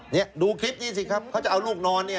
นี่ดูคลิปนี้สิครับเขาจะเอาลูกนอนเนี่ย